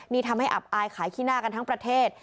นี่ทำให้อับอายขายขี้หน้ากันทั้งประเทศ